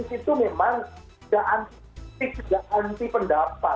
ya demi itu memang tidak anti kritik tidak anti pendapat